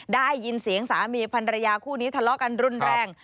ได้ยินเสียงสามีพันรยาคู่นี้ทะเลาะกันรุนแรง